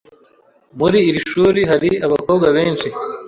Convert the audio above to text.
Muri iri shuri hari abakobwa benshi.